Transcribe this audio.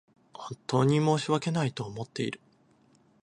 本当に申し訳ないと思っている